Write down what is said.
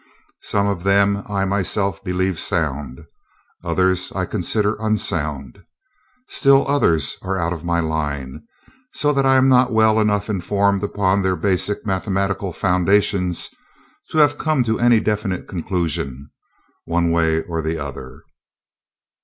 Some of them I myself believe sound, others I consider unsound, still others are out of my line, so that I am not well enough informed upon their basic mathematical foundations to have come to any definite conclusion, one way or the other.